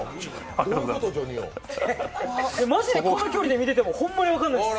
マジでこの距離で見ててもホンマに分からないです。